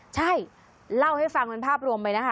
ใช่เล่าให้ฟังเป็นภาพรวมไปนะคะ